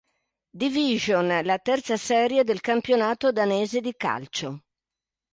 Division, la terza serie del campionato danese di calcio.